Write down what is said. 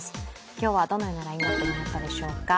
今日はどのようなラインナップになったでしょうか。